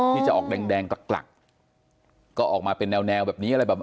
ที่จะออกแดงกลักก็ออกมาเป็นแนวแบบนี้อะไรแบบ